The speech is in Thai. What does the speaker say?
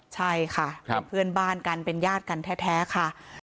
ใช่ค่ะเป็นเพื่อนบ้านกันเป็นญาติกันแท้ค่ะ